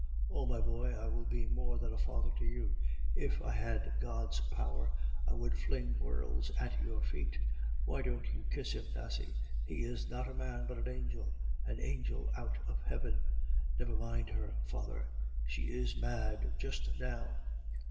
"Oh my boy! I will be more than a father to you; if I had God's power, I would fling worlds at your feet. Why don't you kiss him, Nasie? He is not a man, but an angel, a angel out of heaven." "Never mind her, father; she is mad just now."